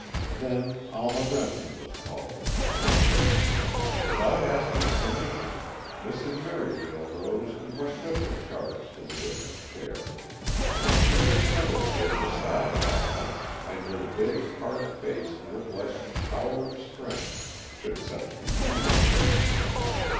Then Alma Remsen was called. Without asking permission, Mrs. Merivale rose and went with her charge to the witness chair. She took another chair beside Alma, and her big, hard face looked like a tower of strength, should such be needed.